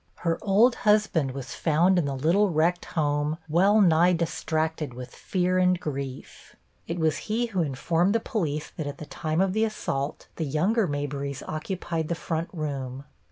Her old husband was found in the little wrecked home well nigh distracted with fear and grief. It was he who informed the police that at the time of the assault the younger Mabrys occupied the front room.